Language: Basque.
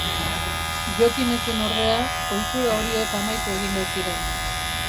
Jokinekin, ordea, ohitura horiek amaitu egingo ziren.